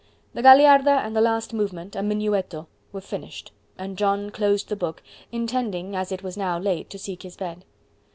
The Gagliarda and the last movement, a Minuetto, were finished, and John closed the book, intending, as it was now late, to seek his bed.